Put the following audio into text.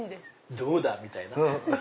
どうだ！みたいな。